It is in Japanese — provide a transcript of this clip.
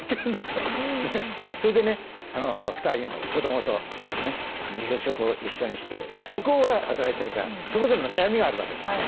それでね２人の子どもと夕食を一緒にして向こうは働いてるからそこでの悩みがあるわけですよね。